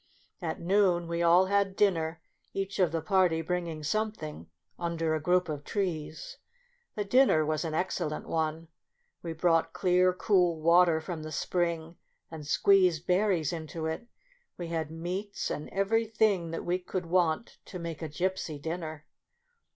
At noon we all had dinner, (each of the party bringing some thing,) under a group of trees. The dinner was an excellent one. We brought clear cool water from the spring, and squeezed berries into it ; we had meats and every thing that we could want to make a gipsy dinner.